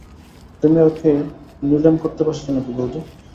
তুমি কি ওকে নিলেম করতে বসেছ নাকি বউদি।